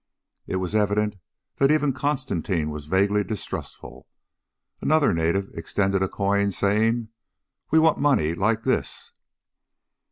It was evident that even Constantine was vaguely distrustful. Another native extended a coin, saying; "We want money like this."